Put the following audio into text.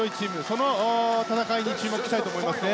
その戦いに注目したいと思いますね。